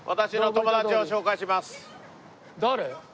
誰？